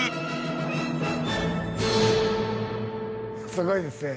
すごいですね。